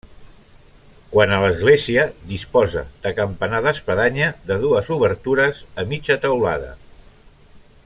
Quant a l'església, disposa de campanar d'espadanya de dues obertures a mitja teulada.